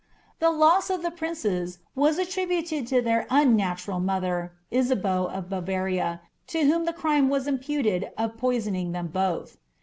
The loss of the princes was d to their unnatural mother, Isabeau of Bavaria, to whom the as imputed of poisoning them both.